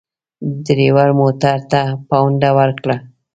ډریور موټر ته پونده ورکړه.